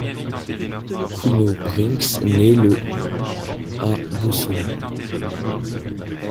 Kuno Brinks naît le à Bussum.